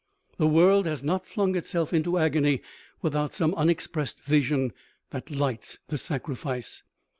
The world has not flung itself into agony without some unexpressed vision that lights the sacrifice.